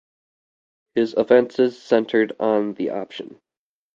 His offenses centered on the option.